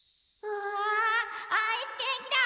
うわアイスケーキ